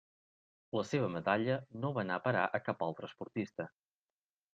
La seva medalla no va anar a parar a cap altre esportista.